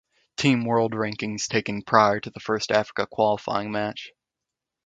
Team World rankings taken prior to first Africa qualifying match.